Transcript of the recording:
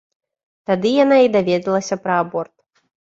Тады яна і даведалася пра аборт.